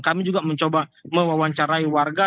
kami juga mencoba mewawancarai warga